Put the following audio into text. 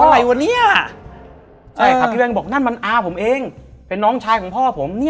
พี่แว่นก็บอกนั่นมันอาผมเองเป็นน้องชายของพ่อผม